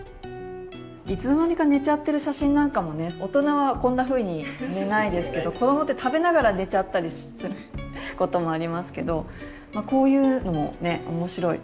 いつの間にか寝ちゃってる写真なんかもね大人はこんなふうに寝ないですけど子どもって食べながら寝ちゃったりすることもありますけどこういうのもね面白い。